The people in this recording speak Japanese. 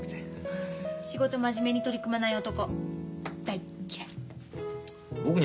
仕事真面目に取り組まない男大っ嫌い。